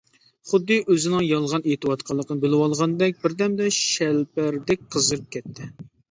خۇددى ئۆزىنىڭ يالغان ئېيتىۋاتقانلىقىنى بىلىۋالغاندەك بىردەمدە شەلپەردەك قىزىرىپ كەتتى.